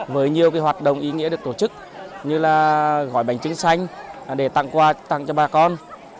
với nhiều hoạt động ý nghĩa được tổ chức như là gói bánh trưng xanh để tặng quà tặng cho bà con